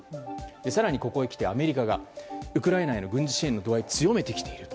更にここへきてアメリカがウクライナへの軍事支援の度合いを強めてきている。